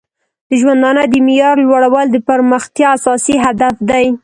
د ژوندانه د معیار لوړول د پرمختیا اساسي هدف دی.